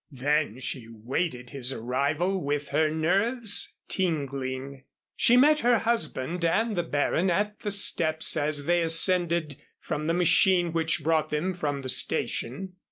Then she waited his arrival with her nerves tingling. She met her husband and the Baron at the steps as they ascended from the machine which brought them from the station.